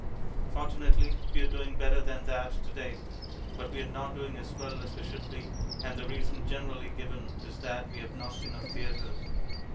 Fortunately we are doing better than that to day. But we are not doing as well as we should be, and the reason generally given is that we have not enough theatres.